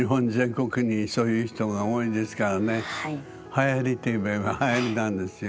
はやりって言えばはやりなんですよ。